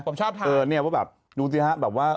ผมชอบถ่ายนี่ว่าแบบดูสิฮะแบบว่า